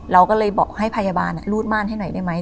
เราก็เลยบอกให้พยาบาลรูดม่านให้หน่อยได้ไหม